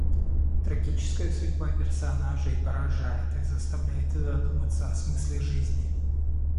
Трагическая судьба персонажей поражает и заставляет задуматься о смысле жизни.